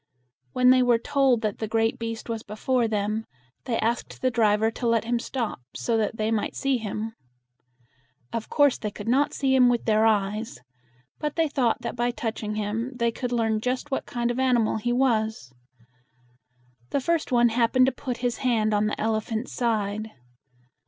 When they were told that the great beast was before them, they asked the driver to let him stop so that they might see him. Of course they could not see him with their eyes; but they thought that by touching him they could learn just what kind of animal he was. The first one happened to put his hand on the elephant's side.